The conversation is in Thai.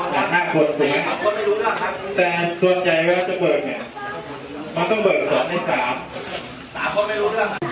ห้าคนแต่ตัวใจว่าจะเปิดเนี่ยมันต้องเปิดสองที่สาม